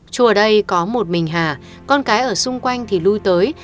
chùa ở đây có một mình hà con cái ở xung quanh thì lui tới